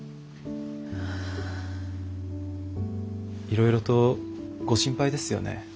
いろいろとご心配ですよね。